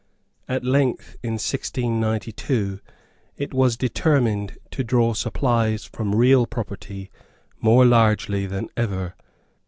At length in 1692 it was determined to draw supplies from real property more largely than ever.